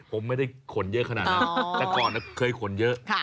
ผมไม่ได้ขนเยอะขนาดนั้นแต่ก่อนเคยขนเยอะ